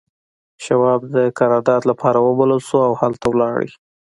شواب د قرارداد لپاره وبلل شو او هلته لاړ